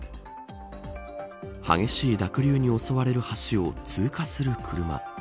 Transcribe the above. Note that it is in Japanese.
激しい濁流に襲われる橋を通過する車。